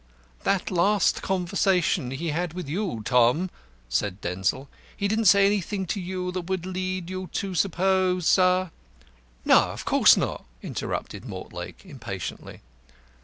"That last conversation he had with you, Tom," said Denzil. "He didn't say anything to you that would lead you to suppose " "No, of course not!" interrupted Mortlake, impatiently.